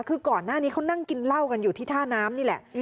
คือก่อนหน้านี้เขานั่งกินเหล้ากันอยู่ที่ท่าน้ำนี่แหละ